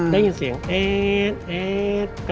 ได้ยินเสียงเอ๊ด